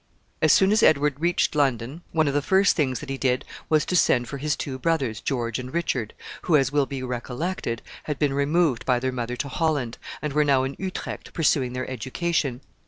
As soon as Edward reached London, one of the first things that he did was to send for his two brothers, George and Richard, who, as will be recollected, had been removed by their mother to Holland, and were now in Utrecht pursuing their education.